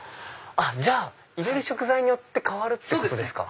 じゃあ入れる食材によって変わるってことですか？